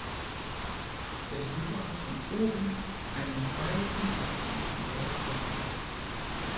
Der Besucher hat von oben einen weiten Ausblick über das Land.